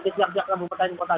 di tiap tiap kabupaten kota